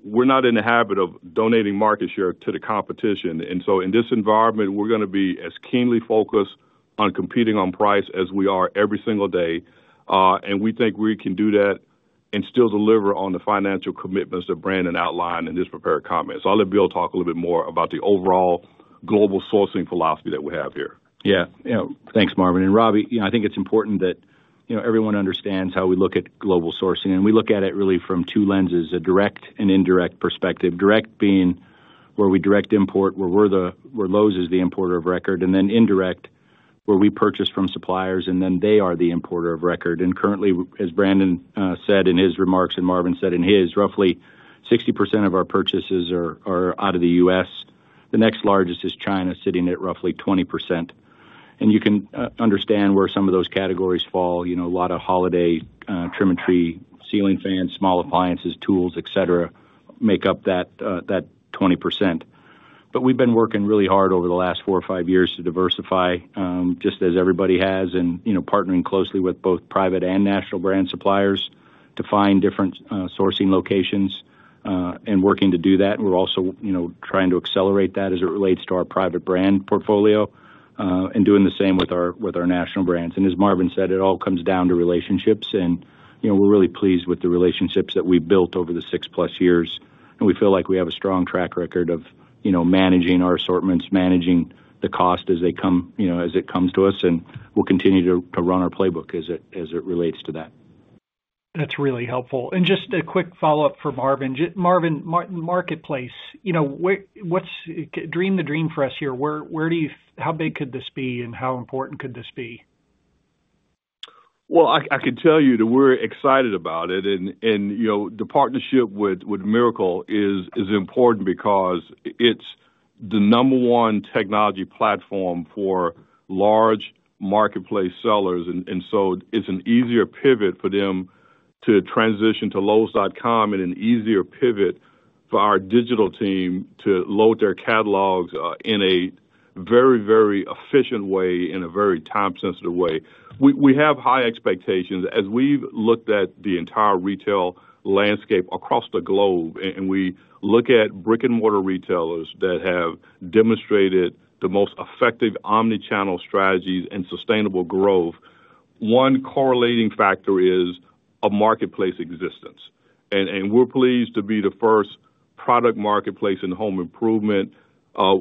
Speaker 3: We're not in the habit of donating market share to the competition. In this environment, we're going to be as keenly focused on competing on price as we are every single day. We think we can do that and still deliver on the financial commitments that Brandon outlined in his prepared comments. I will let Bill talk a little bit more about the overall global sourcing philosophy that we have here.
Speaker 4: Yeah. Thanks, Marvin. Robbie, I think it's important that everyone understands how we look at global sourcing. We look at it really from two lenses: a direct and indirect perspective. Direct being where we direct import, where Lowe's is the importer of record, and then indirect where we purchase from suppliers, and then they are the importer of record. Currently, as Brandon said in his remarks and Marvin said in his, roughly 60% of our purchases are out of the U.S. The next largest is China, sitting at roughly 20%. You can understand where some of those categories fall. A lot of holiday trimmetry, ceiling fans, small appliances, tools, etc., make up that 20%. We have been working really hard over the last four or five years to diversify, just as everybody has, and partnering closely with both private and national brand suppliers to find different sourcing locations and working to do that. We are also trying to accelerate that as it relates to our private brand portfolio and doing the same with our national brands. As Marvin said, it all comes down to relationships, and we are really pleased with the relationships that we have built over the six-plus years. We feel like we have a strong track record of managing our assortments, managing the cost as it comes to us, and we will continue to run our playbook as it relates to that.
Speaker 9: That's really helpful. Just a quick follow-up for Marvin. Marvin, marketplace, dream the dream for us here. How big could this be, and how important could this be?
Speaker 3: I can tell you that we're excited about it. The partnership with Mirakl is important because it's the number one technology platform for large marketplace sellers. It's an easier pivot for them to transition to lowes.com and an easier pivot for our digital team to load their catalogs in a very, very efficient way in a very time-sensitive way. We have high expectations as we've looked at the entire retail landscape across the globe, and we look at brick-and-mortar retailers that have demonstrated the most effective omnichannel strategies and sustainable growth. One correlating factor is a marketplace existence. We're pleased to be the first product marketplace in home improvement.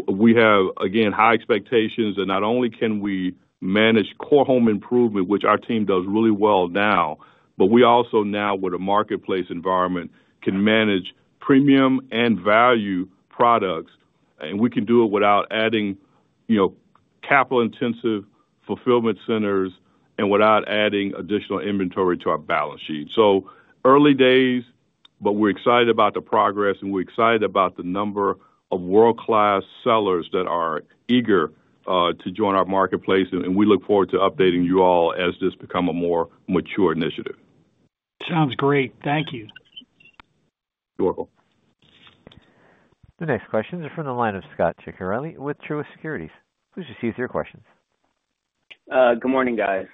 Speaker 3: We have, again, high expectations that not only can we manage core home improvement, which our team does really well now, but we also now, with a marketplace environment, can manage premium and value products. We can do it without adding capital-intensive fulfillment centers and without adding additional inventory to our balance sheet. Early days, but we're excited about the progress, and we're excited about the number of world-class sellers that are eager to join our marketplace. We look forward to updating you all as this becomes a more mature initiative.
Speaker 9: Sounds great. Thank you.
Speaker 3: You're welcome.
Speaker 1: The next questions are from the line of Scot Ciccarelli with Truist Securities. Please proceed with your questions.
Speaker 10: Good morning, guys.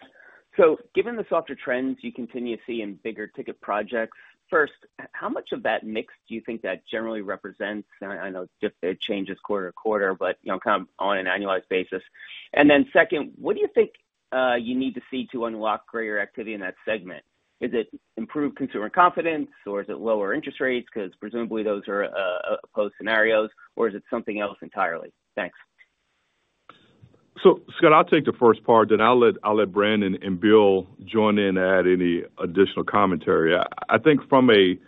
Speaker 10: Given the softer trends you continue to see in bigger ticket projects, first, how much of that mix do you think that generally represents? I know it changes quarter to quarter, but kind of on an annualized basis. Second, what do you think you need to see to unlock greater activity in that segment? Is it improved consumer confidence, or is it lower interest rates because presumably those are opposed scenarios, or is it something else entirely? Thanks.
Speaker 3: Scott, I'll take the first part, then I'll let Brandon and Bill join in and add any additional commentary. I think from an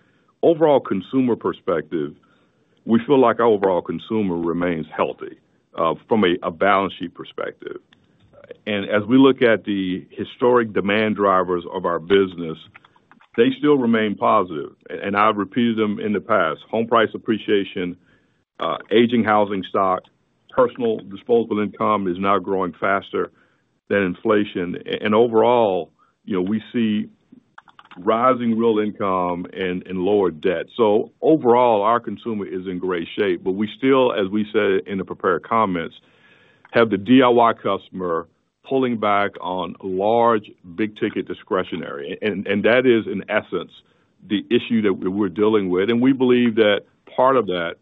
Speaker 3: overall consumer perspective, we feel like our overall consumer remains healthy from a balance sheet perspective. As we look at the historic demand drivers of our business, they still remain positive. I've repeated them in the past: home price appreciation, aging housing stock, personal disposable income is now growing faster than inflation. Overall, we see rising real income and lower debt. Our consumer is in great shape, but we still, as we said in the prepared comments, have the DIY customer pulling back on large big-ticket discretionary. That is, in essence, the issue that we're dealing with. We believe that part of that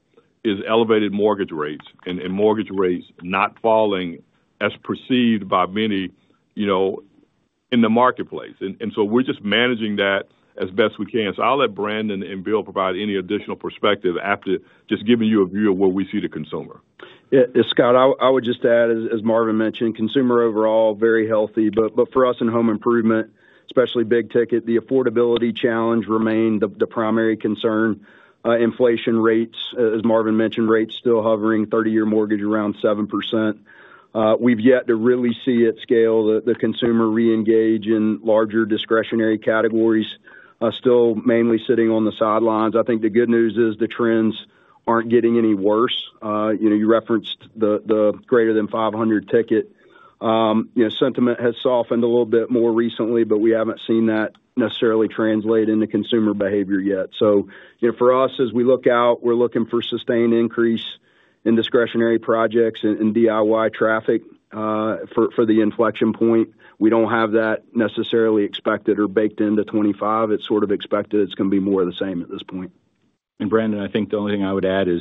Speaker 3: is elevated mortgage rates and mortgage rates not falling as perceived by many in the marketplace. We're just managing that as best we can. I'll let Brandon and Bill provide any additional perspective after just giving you a view of where we see the consumer.
Speaker 6: Yeah. Scott, I would just add, as Marvin mentioned, consumer overall very healthy. For us in home improvement, especially big ticket, the affordability challenge remained the primary concern. Inflation rates, as Marvin mentioned, rates still hovering 30-year mortgage around 7%. We've yet to really see at scale the consumer re-engage in larger discretionary categories, still mainly sitting on the sidelines. I think the good news is the trends aren't getting any worse. You referenced the greater than $500 ticket. Sentiment has softened a little bit more recently, but we haven't seen that necessarily translate into consumer behavior yet. For us, as we look out, we're looking for sustained increase in discretionary projects and DIY traffic for the inflection point. We don't have that necessarily expected or baked into 2025. It's sort of expected it's going to be more of the same at this point.
Speaker 4: Brandon, I think the only thing I would add is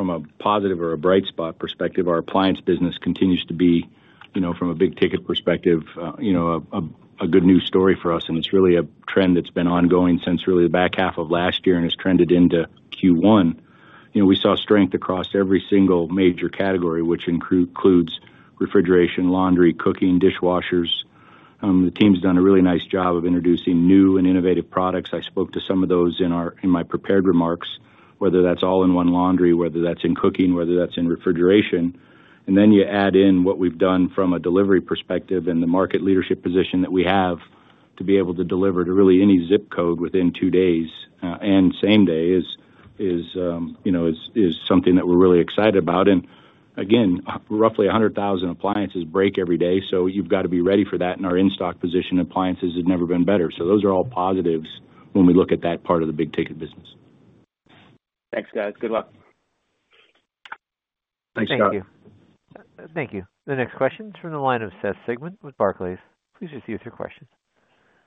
Speaker 4: from a positive or a bright spot perspective, our appliance business continues to be, from a big-ticket perspective, a good news story for us. It is really a trend that has been ongoing since really the back half of last year and has trended into Q1. We saw strength across every single major category, which includes refrigeration, laundry, cooking, dishwashers. The team's done a really nice job of introducing new and innovative products. I spoke to some of those in my prepared remarks, whether that is all-in-one laundry, whether that is in cooking, whether that is in refrigeration. You add in what we have done from a delivery perspective and the market leadership position that we have to be able to deliver to really any zip code within two days and same day is something that we are really excited about. Roughly 100,000 appliances break every day, so you've got to be ready for that. Our in-stock position appliances have never been better. Those are all positives when we look at that part of the big-ticket business.
Speaker 10: Thanks, guys. Good luck.
Speaker 4: Thanks, Scott.
Speaker 1: Thank you. The next question is from the line of Seth Sigman with Barclays. Please proceed with your questions.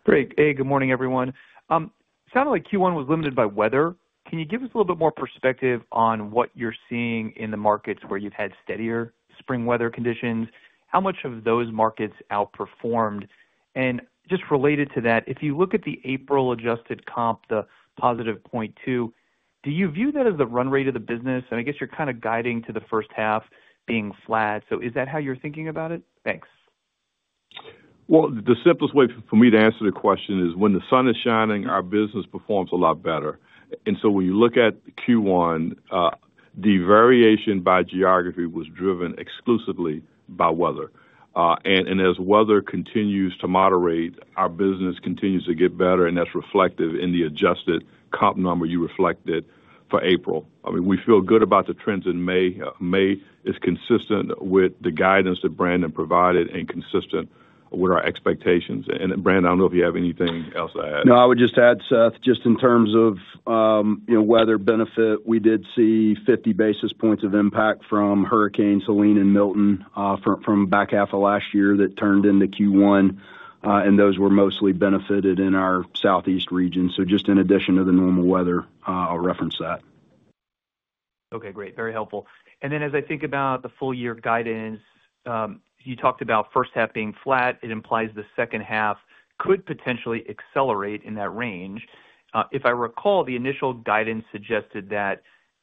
Speaker 11: Great. Hey, good morning, everyone. Sounded like Q1 was limited by weather. Can you give us a little bit more perspective on what you're seeing in the markets where you've had steadier spring weather conditions? How much of those markets outperformed? Just related to that, if you look at the April adjusted comp, the +0.2%, do you view that as the run rate of the business? I guess you're kind of guiding to the first half being flat. Is that how you're thinking about it? Thanks.
Speaker 3: The simplest way for me to answer the question is when the sun is shining, our business performs a lot better. When you look at Q1, the variation by geography was driven exclusively by weather. As weather continues to moderate, our business continues to get better, and that's reflected in the adjusted comp number you reflected for April. I mean, we feel good about the trends in May. May is consistent with the guidance that Brandon provided and consistent with our expectations. Brandon, I don't know if you have anything else to add.
Speaker 6: No, I would just add, Seth, just in terms of weather benefit, we did see 50 basis points of impact from Hurricane Helene and Milton from back half of last year that turned into Q1, and those were mostly benefited in our southeast region. Just in addition to the normal weather, I'll reference that.
Speaker 11: Okay. Great. Very helpful. As I think about the full-year guidance, you talked about first half being flat. It implies the second half could potentially accelerate in that range. If I recall, the initial guidance suggested that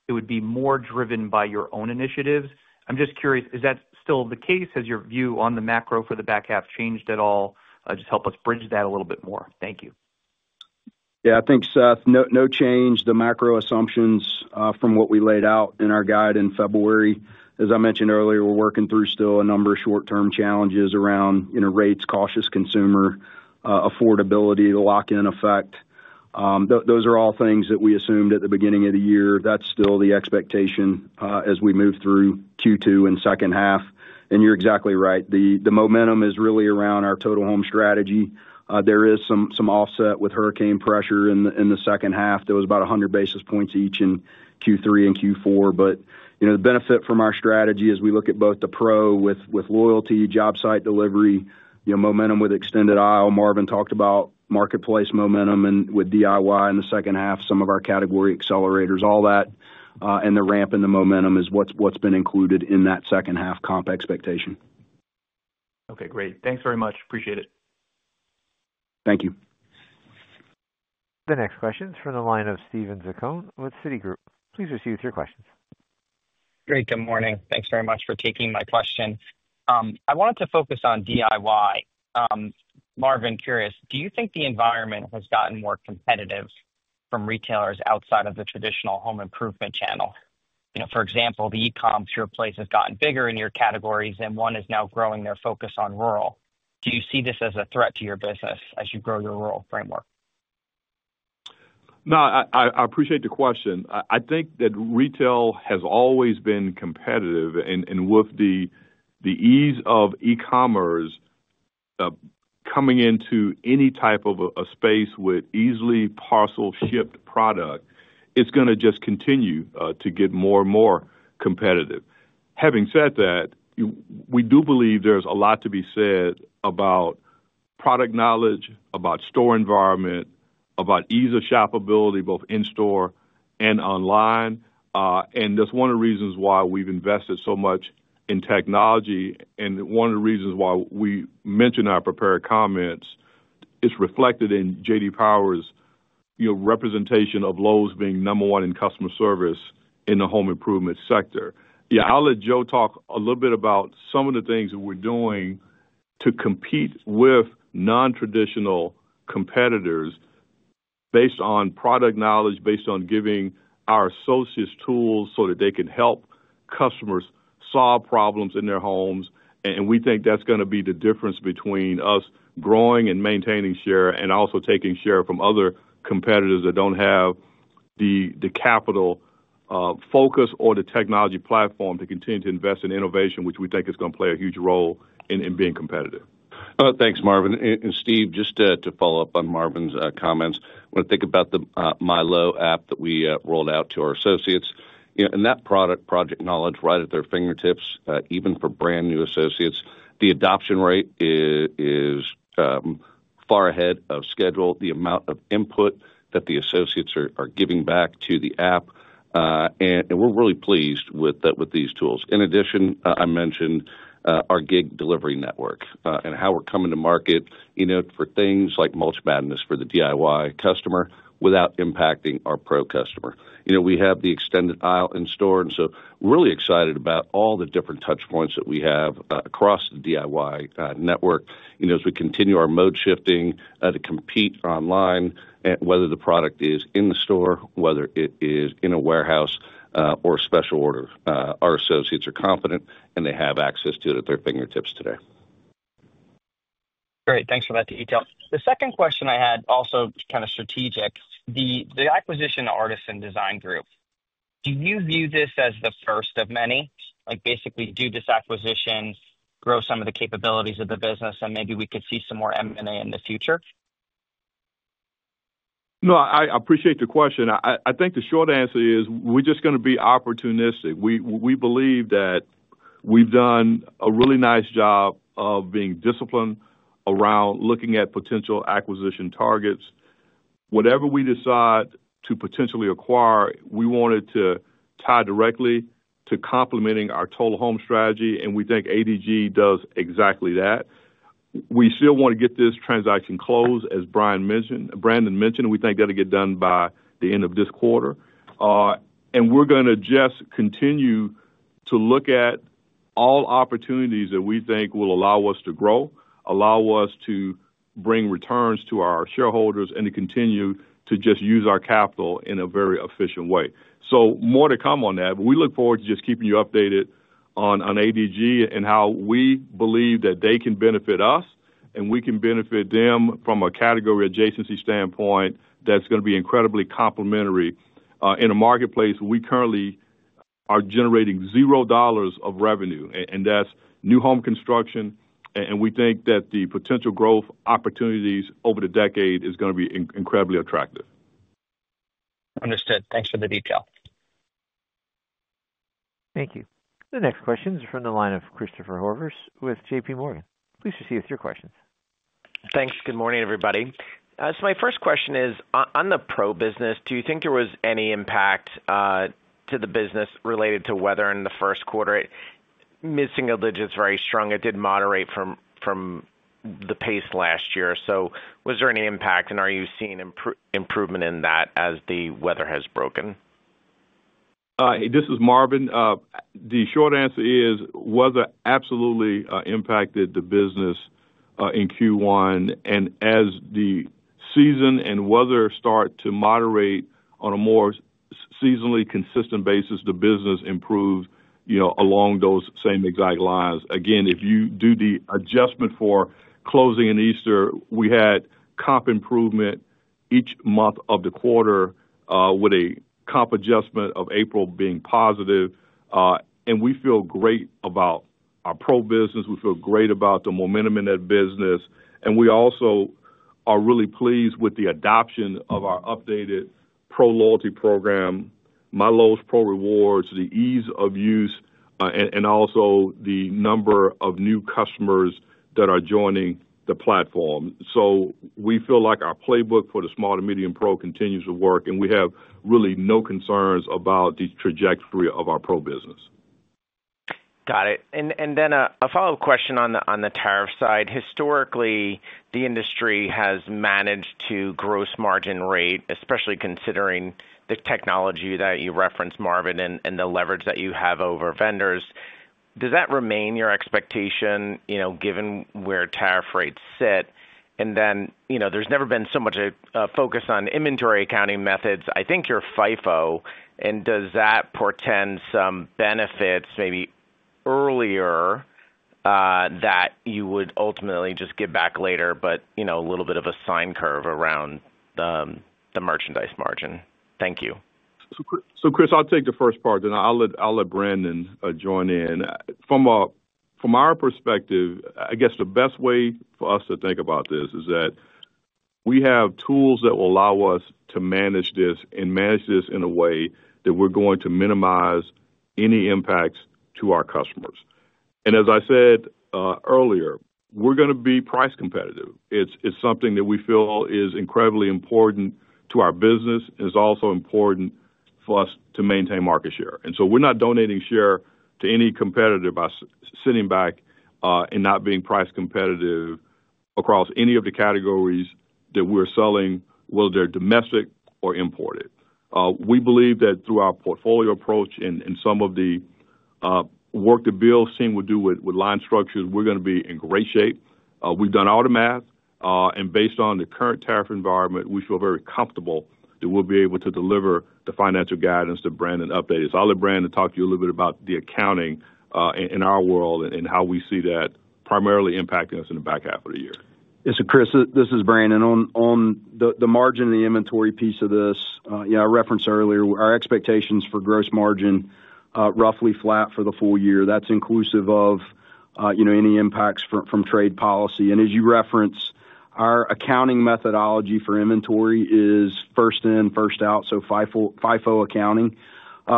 Speaker 11: it would be more driven by your own initiatives. I'm just curious, is that still the case? Has your view on the macro for the back half changed at all? Just help us bridge that a little bit more. Thank you.
Speaker 6: Yeah. I think, Seth, no change. The macro assumptions from what we laid out in our guide in February, as I mentioned earlier, we're working through still a number of short-term challenges around rates, cautious consumer, affordability, the lock-in effect. Those are all things that we assumed at the beginning of the year. That's still the expectation as we move through Q2 and second half. You're exactly right. The momentum is really around our total home strategy. There is some offset with hurricane pressure in the second half. There was about 100 basis points each in Q3 and Q4. The benefit from our strategy as we look at both the pro with loyalty, job site delivery, momentum with extended aisle. Marvin talked about marketplace momentum and with DIY in the second half, some of our category accelerators, all that. The ramp in the momentum is what's been included in that second half comp expectation.
Speaker 11: Okay. Great. Thanks very much. Appreciate it.
Speaker 6: Thank you.
Speaker 1: The next question is from the line of Steven Zaccone with Citi Group. Please proceed with your questions.
Speaker 12: Great. Good morning. Thanks very much for taking my question. I wanted to focus on DIY. Marvin, curious, do you think the environment has gotten more competitive from retailers outside of the traditional home improvement channel? For example, the e-comm through a place has gotten bigger in your categories, and one is now growing their focus on rural. Do you see this as a threat to your business as you grow your rural framework?
Speaker 3: No, I appreciate the question. I think that retail has always been competitive. With the ease of e-commerce coming into any type of a space with easily parcel-shipped product, it's going to just continue to get more and more competitive. Having said that, we do believe there's a lot to be said about product knowledge, about store environment, about ease of shoppability, both in-store and online. That's one of the reasons why we've invested so much in technology. One of the reasons why we mentioned our prepared comments is reflected in J.D. Power's representation of Lowe's being number one in customer service in the home improvement sector. Yeah, I'll let Joe talk a little bit about some of the things that we're doing to compete with non-traditional competitors based on product knowledge, based on giving our associates tools so that they can help customers solve problems in their homes. We think that's going to be the difference between us growing and maintaining share and also taking share from other competitors that don't have the capital focus or the technology platform to continue to invest in innovation, which we think is going to play a huge role in being competitive.
Speaker 5: Thanks, Marvin. Steve, just to follow up on Marvin's comments, when I think about the Mylow app that we rolled out to our associates, and that product project knowledge right at their fingertips, even for brand new associates, the adoption rate is far ahead of schedule. The amount of input that the associates are giving back to the app, and we're really pleased with these tools. In addition, I mentioned our gig delivery network and how we're coming to market for things like multi-matterness for the DIY customer without impacting our pro customer. We have the extended aisle in store. We are really excited about all the different touchpoints that we have across the DIY network as we continue our mode shifting to compete online, whether the product is in the store, whether it is in a warehouse or special order. Our associates are confident, and they have access to it at their fingertips today.
Speaker 12: Great. Thanks for that detail. The second question I had, also kind of strategic, the acquisition Artisan Design Group. Do you view this as the first of many? Basically, do this acquisition grow some of the capabilities of the business, and maybe we could see some more M&A in the future?
Speaker 3: No, I appreciate the question. I think the short answer is we're just going to be opportunistic. We believe that we've done a really nice job of being disciplined around looking at potential acquisition targets. Whatever we decide to potentially acquire, we want it to tie directly to complementing our total home strategy. We think ADG does exactly that. We still want to get this transaction closed, as Brandon mentioned, and we think that'll get done by the end of this quarter. We're going to just continue to look at all opportunities that we think will allow us to grow, allow us to bring returns to our shareholders, and to continue to just use our capital in a very efficient way. More to come on that, but we look forward to just keeping you updated on ADG and how we believe that they can benefit us and we can benefit them from a category adjacency standpoint that's going to be incredibly complementary. In a marketplace, we currently are generating zero dollars of revenue, and that's new home construction. We think that the potential growth opportunities over the decade is going to be incredibly attractive.
Speaker 12: Understood. Thanks for the detail.
Speaker 1: Thank you. The next question is from the line of Christopher Horvers with JPMorgan. Please proceed with your questions.
Speaker 13: Thanks. Good morning, everybody. My first question is, on the pro business, do you think there was any impact to the business related to weather in the first quarter? Missing a ledge is very strong. It did moderate from the pace last year. Was there any impact, and are you seeing improvement in that as the weather has broken?
Speaker 3: This is Marvin. The short answer is weather absolutely impacted the business in Q1. As the season and weather start to moderate on a more seasonally consistent basis, the business improved along those same exact lines. Again, if you do the adjustment for closing in Easter, we had comp improvement each month of the quarter with a comp adjustment of April being positive. We feel great about our pro business. We feel great about the momentum in that business. We also are really pleased with the adoption of our updated pro loyalty program, MyLowe's Pro Rewards, the ease of use, and also the number of new customers that are joining the platform. We feel like our playbook for the small to medium pro continues to work, and we have really no concerns about the trajectory of our pro business.
Speaker 13: Got it. Then a follow-up question on the tariff side. Historically, the industry has managed to gross margin rate, especially considering the technology that you referenced, Marvin, and the leverage that you have over vendors. Does that remain your expectation given where tariff rates sit? There has never been so much focus on inventory accounting methods. I think you are FIFO. Does that portend some benefits maybe earlier that you would ultimately just give back later, but a little bit of a sine curve around the merchandise margin? Thank you.
Speaker 3: Chris, I'll take the first part, and I'll let Brandon join in. From our perspective, I guess the best way for us to think about this is that we have tools that will allow us to manage this and manage this in a way that we're going to minimize any impacts to our customers. As I said earlier, we're going to be price competitive. It's something that we feel is incredibly important to our business, and it's also important for us to maintain market share. We're not donating share to any competitor by sitting back and not being price competitive across any of the categories that we're selling, whether they're domestic or imported. We believe that through our portfolio approach and some of the work that Bill Boltz and the team would do with line structures, we're going to be in great shape. We've done all the math. Based on the current tariff environment, we feel very comfortable that we'll be able to deliver the financial guidance that Brandon updated. I'll let Brandon talk to you a little bit about the accounting in our world and how we see that primarily impacting us in the back half of the year.
Speaker 6: This is Chris. This is Brandon. On the margin and the inventory piece of this, I referenced earlier our expectations for gross margin roughly flat for the full year. That is inclusive of any impacts from trade policy. As you referenced, our accounting methodology for inventory is first in, first out, so FIFO accounting,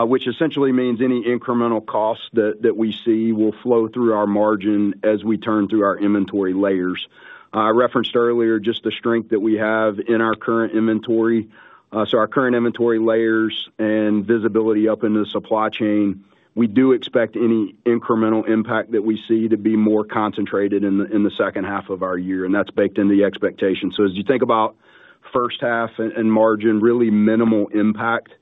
Speaker 6: which essentially means any incremental costs that we see will flow through our margin as we turn through our inventory layers. I referenced earlier just the strength that we have in our current inventory. Our current inventory layers and visibility up into the supply chain, we do expect any incremental impact that we see to be more concentrated in the second half of our year. That is baked into the expectation. As you think about first half and margin, really minimal impact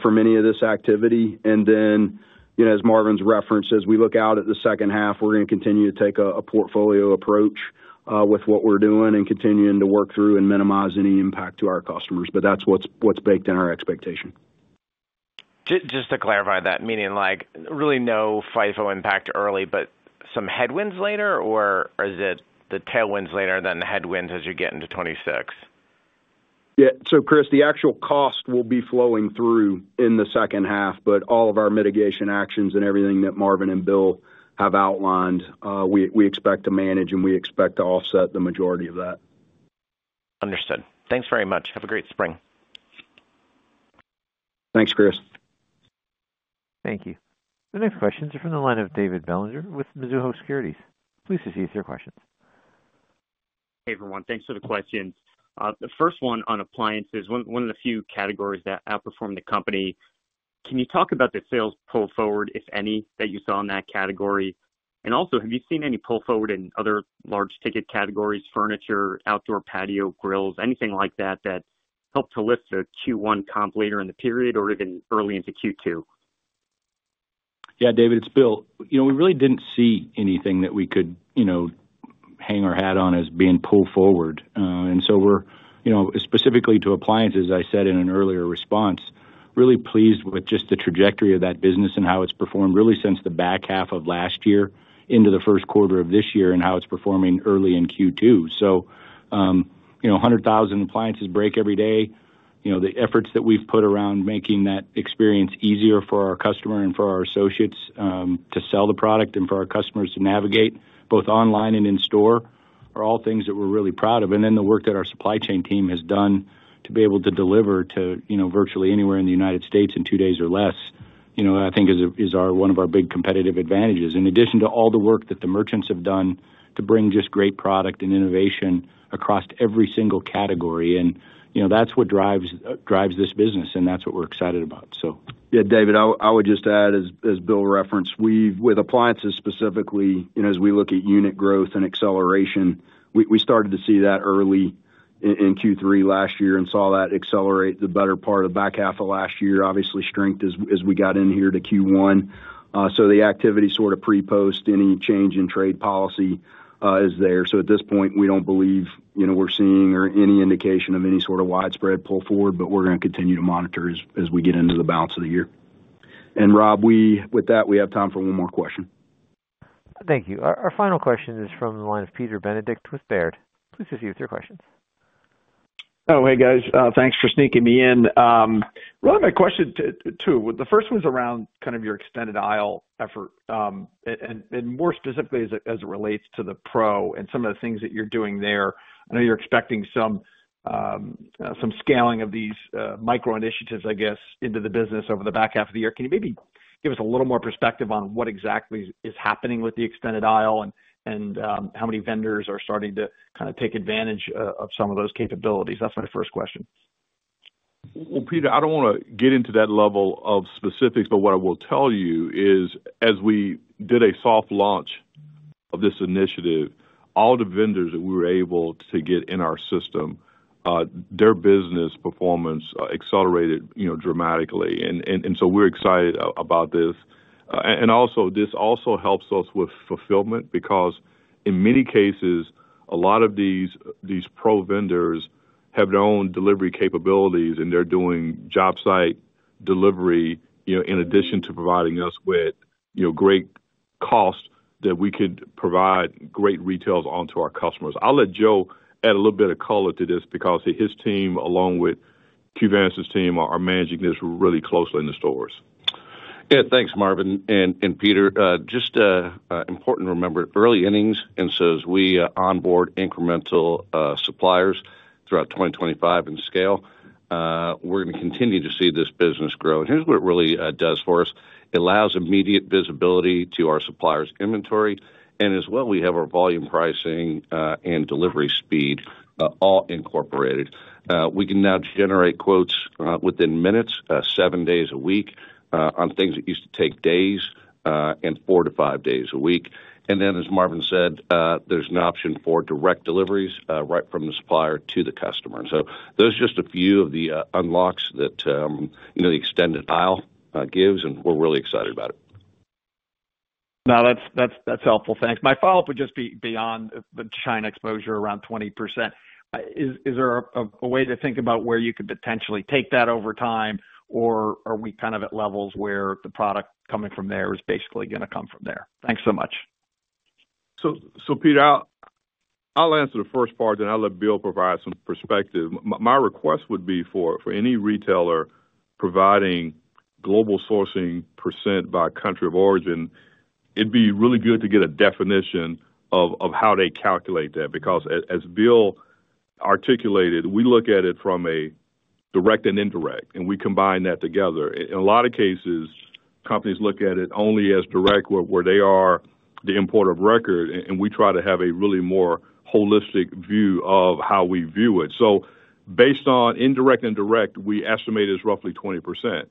Speaker 6: for many of this activity. As Marvin's referenced, as we look out at the second half, we're going to continue to take a portfolio approach with what we're doing and continue to work through and minimize any impact to our customers. That's what's baked in our expectation.
Speaker 13: Just to clarify that, meaning really no FIFO impact early, but some headwinds later, or is it the tailwinds later than headwinds as you get into 2026?
Speaker 6: Yeah. Chris, the actual cost will be flowing through in the second half, but all of our mitigation actions and everything that Marvin and Bill have outlined, we expect to manage, and we expect to offset the majority of that.
Speaker 13: Understood. Thanks very much. Have a great spring.
Speaker 6: Thanks, Chris.
Speaker 1: Thank you. The next questions are from the line of David Bellinger with Mizuho Securities. Please proceed with your questions.
Speaker 14: Hey, everyone. Thanks for the questions. The first one on appliances is one of the few categories that outperform the company. Can you talk about the sales pull forward, if any, that you saw in that category? Also, have you seen any pull forward in other large ticket categories: furniture, outdoor patio, grills, anything like that that helped to lift the Q1 comp later in the period or even early into Q2?
Speaker 4: Yeah, David, it's Bill. We really did not see anything that we could hang our hat on as being pulled forward. We are specifically to appliances, as I said in an earlier response, really pleased with just the trajectory of that business and how it has performed really since the back half of last year into the first quarter of this year and how it is performing early in Q2. 100,000 appliances break every day. The efforts that we have put around making that experience easier for our customer and for our associates to sell the product and for our customers to navigate both online and in store are all things that we are really proud of.
Speaker 15: The work that our supply chain team has done to be able to deliver to virtually anywhere in the United States in two days or less, I think, is one of our big competitive advantages. In addition to all the work that the merchants have done to bring just great product and innovation across every single category. That is what drives this business, and that is what we are excited about.
Speaker 3: Yeah, David, I would just add, as Bill referenced, with appliances specifically, as we look at unit growth and acceleration, we started to see that early in Q3 last year and saw that accelerate the better part of the back half of last year. Obviously, strength as we got in here to Q1. The activity sort of pre-post any change in trade policy is there. At this point, we do not believe we are seeing or any indication of any sort of widespread pull forward, but we are going to continue to monitor as we get into the balance of the year. Rob, with that, we have time for one more question.
Speaker 1: Thank you. Our final question is from the line of Peter Benedict with Baird. Please proceed with your questions.
Speaker 16: Oh, hey, guys. Thanks for sneaking me in. Really, my question too, the first one's around kind of your extended aisle effort and more specifically as it relates to the pro and some of the things that you're doing there. I know you're expecting some scaling of these micro initiatives, I guess, into the business over the back half of the year. Can you maybe give us a little more perspective on what exactly is happening with the extended aisle and how many vendors are starting to kind of take advantage of some of those capabilities? That's my first question.
Speaker 3: Peter, I do not want to get into that level of specifics, but what I will tell you is, as we did a soft launch of this initiative, all the vendors that we were able to get in our system, their business performance accelerated dramatically. We are excited about this. This also helps us with fulfillment because in many cases, a lot of these pro vendors have their own delivery capabilities, and they are doing job site delivery in addition to providing us with great costs that we could provide great retails onto our customers. I will let Joe add a little bit of color to this because his team, along with Quonta Vance's team, are managing this really closely in the stores.
Speaker 5: Yeah, thanks, Marvin. Peter, just important to remember, early innings ensures we onboard incremental suppliers throughout 2025 and scale. We're going to continue to see this business grow. Here's what it really does for us. It allows immediate visibility to our suppliers' inventory. As well, we have our volume pricing and delivery speed all incorporated. We can now generate quotes within minutes, seven days a week on things that used to take days and four to five days a week. As Marvin said, there's an option for direct deliveries right from the supplier to the customer. Those are just a few of the unlocks that the extended aisle gives, and we're really excited about it.
Speaker 16: No, that's helpful. Thanks. My follow-up would just be beyond the China exposure around 20%. Is there a way to think about where you could potentially take that over time, or are we kind of at levels where the product coming from there is basically going to come from there? Thanks so much.
Speaker 3: Peter, I'll answer the first part, then I'll let Bill provide some perspective. My request would be for any retailer providing global sourcing % by country of origin, it'd be really good to get a definition of how they calculate that. Because as Bill articulated, we look at it from a direct and indirect, and we combine that together. In a lot of cases, companies look at it only as direct where they are the importer of record, and we try to have a really more holistic view of how we view it. Based on indirect and direct, we estimate it's roughly 20%.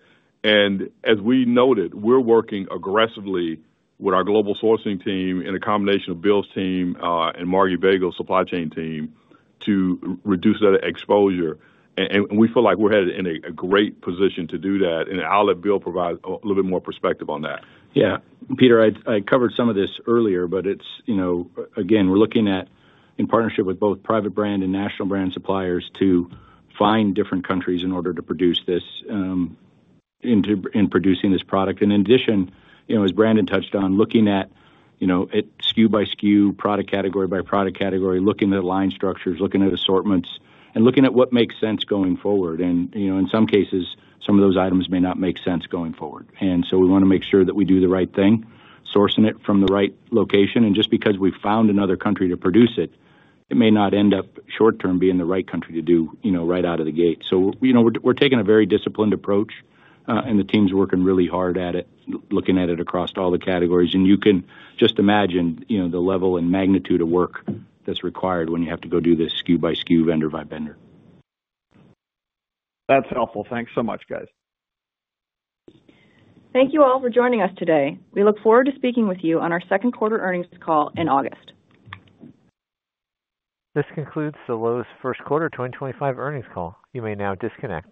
Speaker 3: As we noted, we're working aggressively with our global sourcing team and a combination of Bill's team and Margi Vagell's supply chain team to reduce that exposure. We feel like we're in a great position to do that. I'll let Bill provide a little bit more perspective on that.
Speaker 4: Yeah. Peter, I covered some of this earlier, but again, we're looking at, in partnership with both private brand and national brand suppliers, to find different countries in order to produce this, in producing this product. In addition, as Brandon touched on, looking at SKU by SKU, product category by product category, looking at line structures, looking at assortments, and looking at what makes sense going forward. In some cases, some of those items may not make sense going forward. We want to make sure that we do the right thing, sourcing it from the right location. Just because we found another country to produce it, it may not end up short-term being the right country to do right out of the gate. We're taking a very disciplined approach, and the team's working really hard at it, looking at it across all the categories. You can just imagine the level and magnitude of work that's required when you have to go do this SKU by SKU, vendor by vendor.
Speaker 16: That's helpful. Thanks so much, guys.
Speaker 1: Thank you all for joining us today. We look forward to speaking with you on our second quarter earnings call in August. This concludes the Lowe's first quarter 2025 earnings call. You may now disconnect.